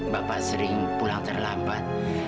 bapak sering pulang terlambat